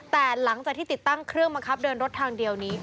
แต่หลังจากที่ติดตั้งเครื่องบังคับเดินรถทางเดียวนี้